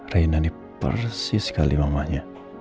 raina ini persis sekali mamanya